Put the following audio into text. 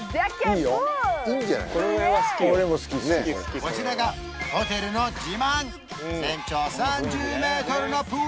こちらがホテルの自慢！